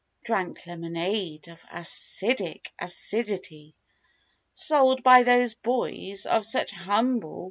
Drank lemonade of acidic acidity. Sold by those boys of such humble